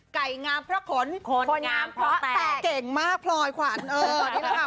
ไก่งามเพราะขนขนงามเพราะแต่เก่งมากพลอยขวัญเออนี่แหละค่ะ